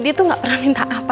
dia tuh ga pernah minta apa apa